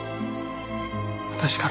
私から。